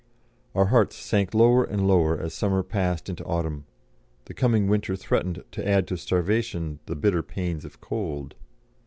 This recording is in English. Our hearts sank lower and lower as summer passed into autumn, and the coming winter threatened to add to starvation the bitter pains of cold.